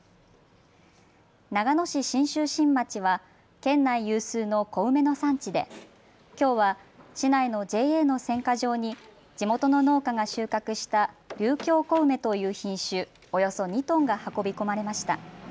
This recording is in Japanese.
長野市信州新町は県内有数の小梅の産地できょうは市内のＪＡの選果場に地元の農家が収穫した竜峡小梅という品種、およそ２トンが運び込まれました。